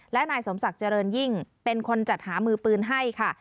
และนายสมศักดิ์เจริญยิ่งเป็นคนจัดหามือปืนให้ค่ะ